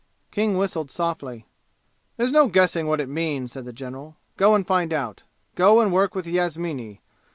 King whistled softly. "There's no guessing what it means," said the general. "Go and find out. Go and work with Yasmini.